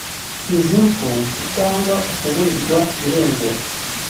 Izi mfu cyangwa ukuburirwa irengero